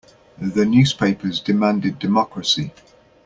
The newspapers demanded democracy.